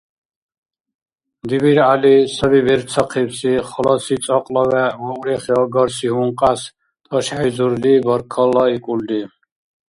ДибиргӀяли саби берцахъибси халаси цӀакьла вегӀ ва урехиагарси гьункьяс тӀашхӀейзурли баркаллаикӀулри.